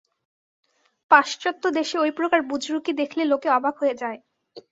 পাশ্চাত্য দেশে ঐ প্রকার বুজরুকি দেখলে লোকে অবাক হয়ে যায়।